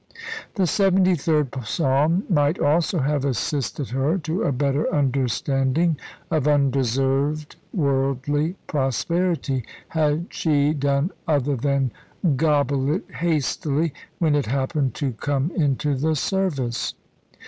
The Seventy third Psalm might also have assisted her to a better understanding of undeserved worldly prosperity, had she done other than gabble it hastily, when it happened to come into the service.